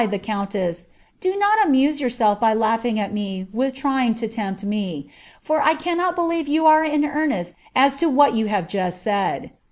i;te twiw^u^^ do uoi amuae youndLJ hy Isughing al me n ith trying to tempt me, for 1 cannot believe you are in rarnesi as [u what ynu have Just said.